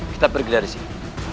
kita pergi dari sini